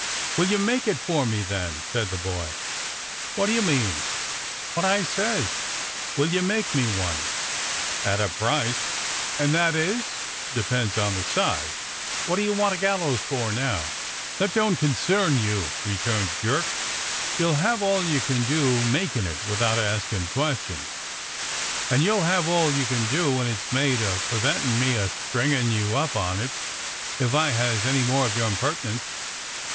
"Will you make it for me, then.? " said the boy. " What do you mean. '^"" What I says — will you make me one? " "At a price." "And that is?" "Depends on the size. Wot do you want a gallows for now?" SETS UP A GALLOWS TREE 107 "That don't concern you," returnedJerk. "You'll have all you can do makin' it, without askin' questions." "And you'll have all you can do, when it's made, a preventin' me a stringin' you up on it, if I has any more o' your impert'nence."